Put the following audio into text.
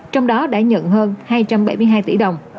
trong đó đã nhận hơn hai trăm bảy mươi hai tỷ đồng